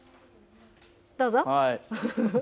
どうぞ。